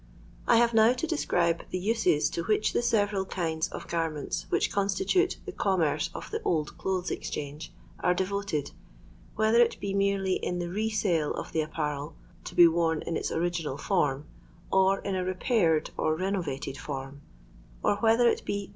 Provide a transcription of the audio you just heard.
I BAVK now to describe the uses to which the sereral kinds of garments which constitute the commerce of the Old Clothes Exchange are de voted, whether it be merely in the re sale of the apparel, to be worn in iu original form or in a repaired or renovated form; or whether it bo I ^t)i\T*!